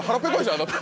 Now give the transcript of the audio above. あなた。